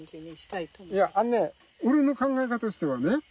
いやあんねえ俺の考え方としてはね